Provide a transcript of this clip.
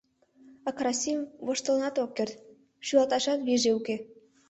А Карасим воштылынат ок керт, шӱлалташат вийже уке.